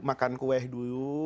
makan kue dulu